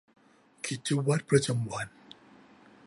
กิจวัตรประจำวัน